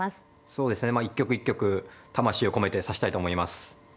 そうですね一局一局魂を込めて指したいと思います。